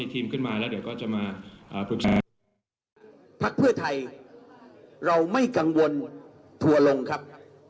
ภักดิ์เพื่อไทยไม่กลัวเพื่อรังครับ